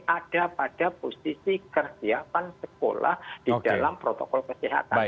ada pada posisi kesiapan sekolah di dalam protokol kesehatan